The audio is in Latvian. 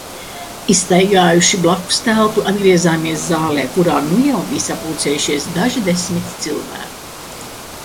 Izstaigājuši blakus telpu, atgriezāmies zālē, kurā nu jau bija sapulcējušies daži desmiti cilvēku.